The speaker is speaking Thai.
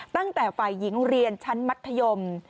ตั้งแต่ฝ่ายหญิงเรียนชั้นมัธยม